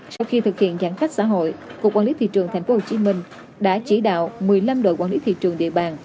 sau khi thực hiện giãn cách xã hội cục quản lý thị trường tp hcm đã chỉ đạo một mươi năm đội quản lý thị trường địa bàn